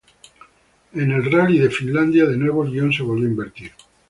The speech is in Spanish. En el Rally de Finlandia, de nuevo el guion se volvió a invertir.